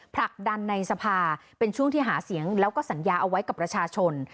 ผลักดันในสภาเป็นช่วงที่หาเสียงแล้วก็สัญญาเอาไว้กับประชาชน